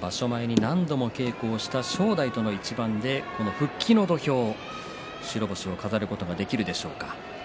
場所前に何度も稽古をした正代との一番でこの復帰の相撲白星を飾ることができるでしょうか。